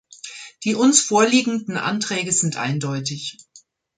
Die uns vorliegenden Anträge sind eindeutig.